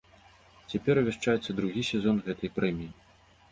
Цяпер абвяшчаецца другі сезон гэтай прэміі.